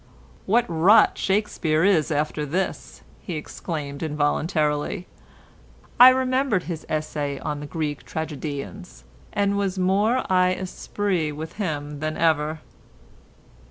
"What rot Shakespeare is after this," he exclaimed, involuntarily. I remembered his essay on the Greek tragedians, and was more I épris with him than ever.